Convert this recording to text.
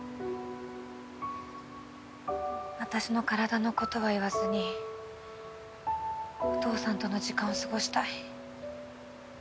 私の体のことは言わずにお父さんとの時間を過ごしたい。